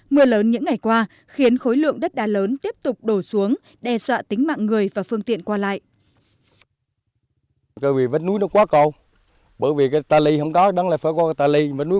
mưa lớn những ngày qua khiến khối lượng đất đá lớn tiếp tục đổ xuống đe dọa tính mạng người và phương tiện qua lại